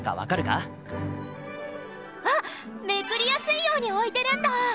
あっめくりやすいように置いてるんだ！